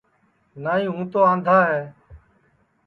نائی ہوں تو آندھا ہے